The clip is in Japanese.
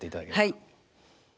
はい！